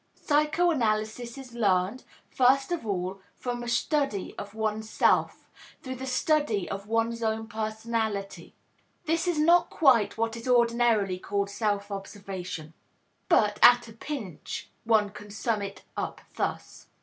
Psychoanalysis is learned, first of all, from a study of one's self, through the study of one's own personality. This is not quite what is ordinarily called self observation, but, at a pinch, one can sum it up thus.